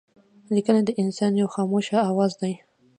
لیکنه د انسان یو خاموشه آواز دئ.